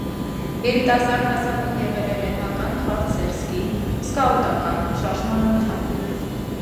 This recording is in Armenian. Երիտասարդ հասակում եղել է լեհական խարտսերսկի (սկաուտական) շարժման անդամ։